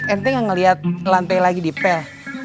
ente ga ngeliat lantai lagi dipel